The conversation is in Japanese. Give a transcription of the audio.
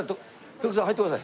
徳さん入ってください。